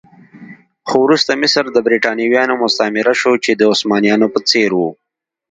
خو وروسته مصر د برېټانویانو مستعمره شو چې د عثمانيانو په څېر و.